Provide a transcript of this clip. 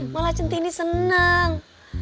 malah centini seneng